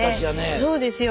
そうですよ。